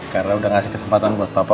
karena udah ngasih kesempatan buat papa